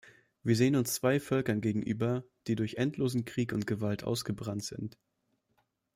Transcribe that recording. Wir sehen uns zwei Völkern gegenüber, die durch endlosen Krieg und Gewalt ausgebrannt sind.